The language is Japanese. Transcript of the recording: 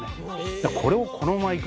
だからこれをこのままいく。